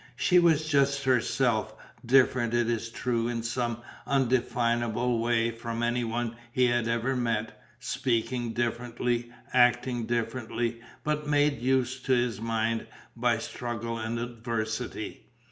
She was just herself, different it is true in some indefinable way from anyone he had ever met, speaking differently, acting differently, but made used to his mind by struggle and adversity.